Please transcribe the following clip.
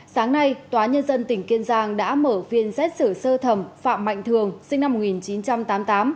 sáng nay tòa nhân dân tỉnh kiên giang đã mở phiên xét xử sơ thẩm phạm mạnh thường sinh năm một nghìn chín trăm tám mươi tám